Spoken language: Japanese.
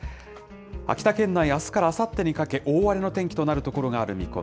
秋田県内、あすからあさってにかけ、大荒れの天気となる所がある見込み。